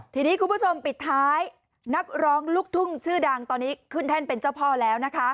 ทีนี้คุณผู้ชมปิดท้ายนักร้องลูกทุ่งชื่อดังตอนนี้ขึ้นแท่นเป็นเจ้าพ่อแล้วนะคะ